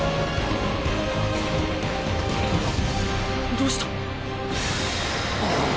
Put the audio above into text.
どうした？